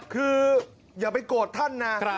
คืออย่าไปโกรธท่านนะ